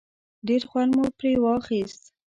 ډېر خوند مو پرې واخیست.